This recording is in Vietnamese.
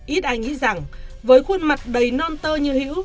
ít ai nghĩ rằng với khuôn mặt đầy non tơ như hữu